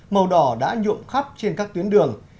màu đỏ đã nhụm khắp trên các tuyến đường